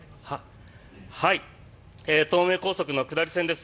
東名高速の下り線です。